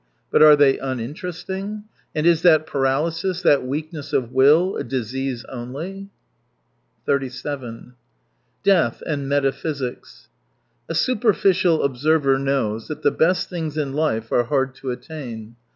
But are they uninteresting ? And is that patalysis, that weakness of wiU, a disease only ? Death and metaphysics. — A superficial observer knows that the best things in life are hard to attain.